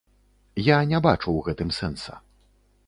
Я не бачу ў гэтым сэнса.